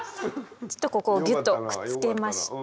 ちょっとここをギュッとくっつけまして。